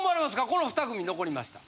この２組残りました。